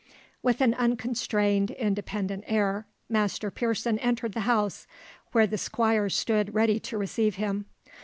With an unconstrained, independent air, Master Pearson entered the house, where the Squire stood ready to receive him.